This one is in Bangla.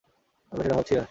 আমরা সেটা ভাবছি না।